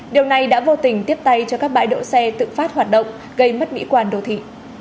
điều này đã vô tình tiếp tay cho các bãi đỗ xe tự phát hoạt động gây mất mỹ quan đô thị